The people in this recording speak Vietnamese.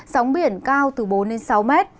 sóng biển cao từ bốn sáu m